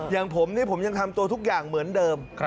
อย่างผมนี่ผมยังทำตัวทุกอย่างเหมือนเดิม